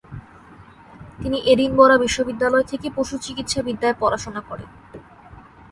তিনি এডিনবরা বিশ্ববিদ্যালয় থেকে পশুচিকিৎসাবিদ্যায় পড়াশোনা করেন।